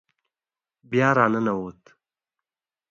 بیا را ننوت.